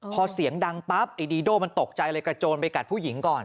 พอเสียงดังปั๊บไอ้ดีโด่มันตกใจเลยกระโจนไปกัดผู้หญิงก่อน